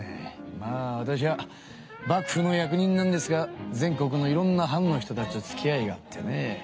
まあわたしは幕府の役人なんですが全国のいろんな藩の人たちとつきあいがあってね。